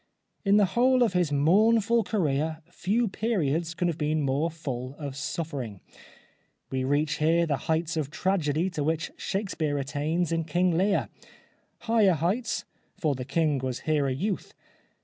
In the whole of his mournful career few periods can have been more full of suffering. We reach here the heights of tragedy to which Shakespeare attains in '^ King Lear." Higher heights, for the king was here a youth.